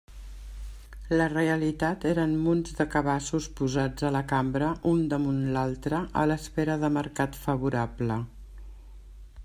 La realitat eren munts de cabassos posats a la cambra un damunt l'altre a l'espera de mercat favorable.